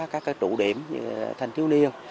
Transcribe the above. các trụ điểm thanh thiếu niên